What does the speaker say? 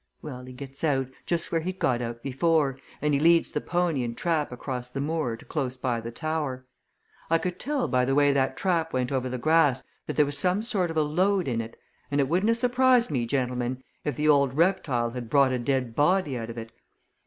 Well, he gets out, just where he'd got out before, and he leads the pony and trap across the moor to close by the tower. I could tell by the way that trap went over the grass that there was some sort of a load in it and it wouldn't have surprised me, gentlemen, if the old reptile had brought a dead body out of it.